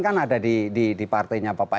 kan ada di partainya bapak